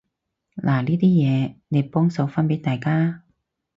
嗱呢啲嘢，你幫手分畀大家啊